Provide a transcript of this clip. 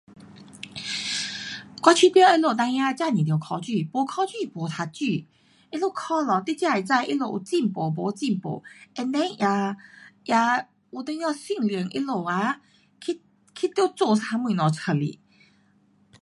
我觉得他们孩儿真是得考书，没考书没读书，他们考了你才会知他们有进步没进步。and then 也,也有一点修炼他们啊去，去得做一样东西出来。